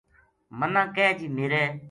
منا کہہ جی میرے